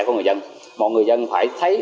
của người dân mọi người dân phải thấy